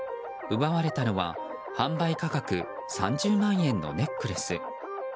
奪われたのは販売価格３０万円のネックレス。